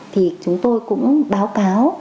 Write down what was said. thì chúng tôi cũng báo cáo